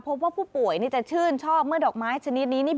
พบว่าผู้ป่วยจะชื่นชอบเมื่อดอกไม้ชนิดนี้นี่